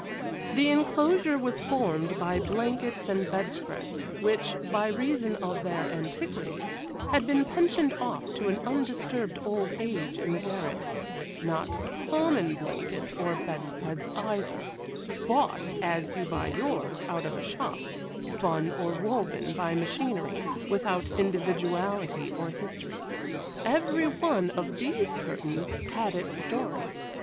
The enclosure was formed by blankets and bed spreads, which, by reason of their antiquity, had been pensioned off to an undisturbed old age in the garret,—not common blankets or bed spreads, either,—bought, as you buy yours, out of a shop,—spun or woven by machinery,—without individuality or history. Every one of these curtains had its story.